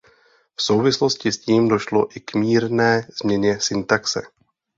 V souvislosti s tím došlo i k mírné změně syntaxe.